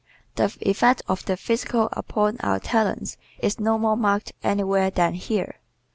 The effect of the physical upon our talents is no more marked anywhere than here.